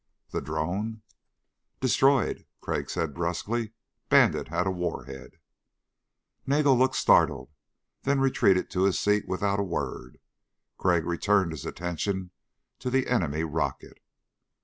"The drone?" "Destroyed," Crag said bruskly. "Bandit had a warhead." Nagel looked startled, then retreated to his seat without a word. Crag returned his attention to the enemy rocket.